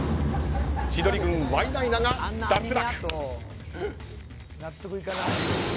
千鳥軍ワイナイナが脱落。